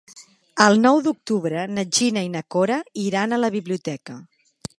El nou d'octubre na Gina i na Cora iran a la biblioteca.